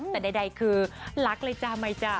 แต่ใดคือรักเลยจ้าไหมจ๊ะ